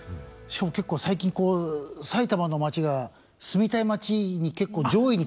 しかも結構最近埼玉の町が住みたい町に結構上位に来たんで。